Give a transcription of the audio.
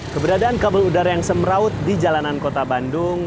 keberadaan kabel udara yang semraut di jalanan kota bandung